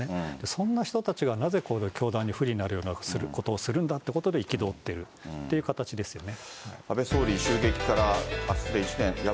そんな人たちがなぜ教団に不利になるようなことをするんだということで憤っているという形ですよね。